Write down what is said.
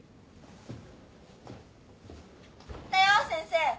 たよ先生！